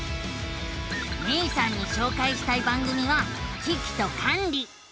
めいさんにしょうかいしたい番組は「キキとカンリ」。